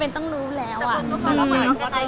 เก็บได้เกือบจะพันไล่แล้ว